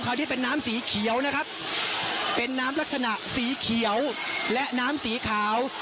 ที่เป็นน้ำสีเขียวนะครับเป็นน้ำลักษณะสีเขียวและน้ำสีขาว